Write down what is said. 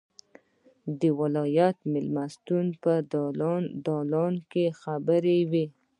د ولایت مېلمستون په دالان کې خبرې وې.